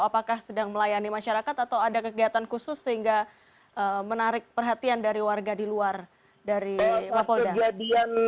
apakah sedang melayani masyarakat atau ada kegiatan khusus sehingga menarik perhatian dari warga di luar dari mapolda